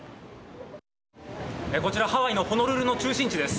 こちら、ハワイのホノルルの中心地です。